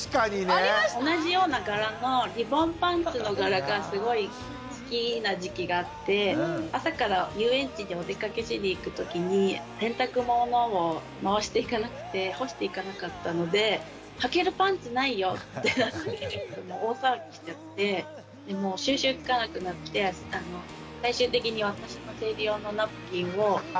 同じような柄のリボンパンツの柄がすごい好きな時期があって朝から遊園地にお出かけしに行くときに洗濯物を回していかなくて干していかなかったのではけるパンツないよってなって大騒ぎしちゃってもう収拾つかなくなって最終的に私の生理用のナプキンを。